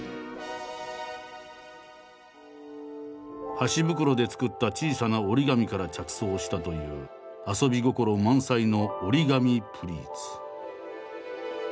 箸袋で作った小さな折り紙から着想したという遊び心満載の「折り紙プリーツ」。